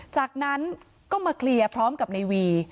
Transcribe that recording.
จากนั้นก็มาเคลียร์พร้อมกับในวี